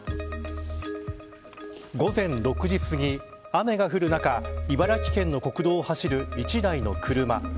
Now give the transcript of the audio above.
午前６時すぎ雨が降る中茨城県の国道を走る１台の車。